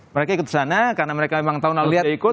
mereka ikut sana karena mereka memang tahun lalu lihat ikut